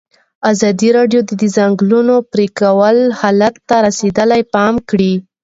ازادي راډیو د د ځنګلونو پرېکول حالت ته رسېدلي پام کړی.